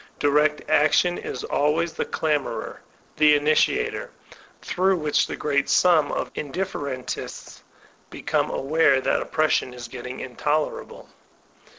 Direct action is always the clamorer, the initiator, through which the great sum of indiffer entists become aware that oppression is getting intoler able.